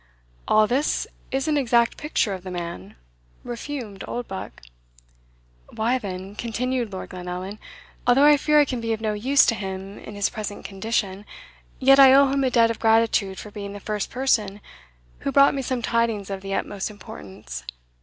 "All this is an exact picture of the man," refumed Oldbuck. "Why, then," continued Lord Glenallan, "although I fear I can be of no use to him in his present condition, yet I owe him a debt of gratitude for being the first person who brought me some tidings of the utmost importance.